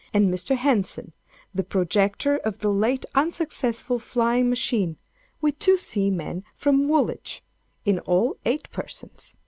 and Mr. Henson, the projector of the late unsuccessful flying machine—with two seamen from Woolwich—in all, eight persons.